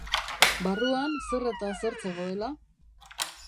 Barruan zer eta zer zegoela?